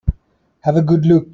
Have a good look.